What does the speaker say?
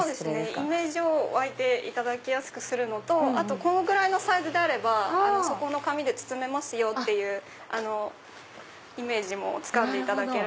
イメージを湧きやすくするのとこのぐらいのサイズであればそこの紙で包めますよっていうイメージもつかんでいただける。